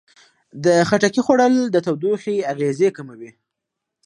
د خټکي خوړل د تودوخې اغېزې کموي.